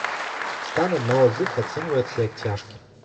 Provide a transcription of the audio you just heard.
Стан аднаго з іх ацэньваецца як цяжкі.